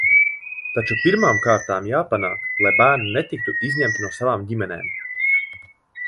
Taču pirmām kārtām jāpanāk, lai bērni netiktu izņemti no savām ģimenēm.